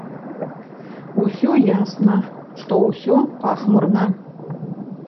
Усё ясна, што ўсё пахмурна.